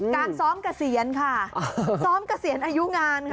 การซ้อมเกษียณค่ะซ้อมเกษียณอายุงานค่ะ